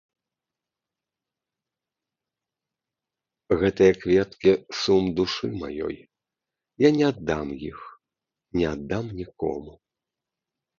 Гэтыя кветкі сум душы маёй, я не аддам іх, не аддам нікому.